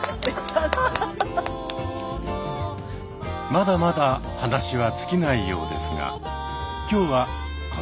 まだまだ話は尽きないようですが今日はこの辺で。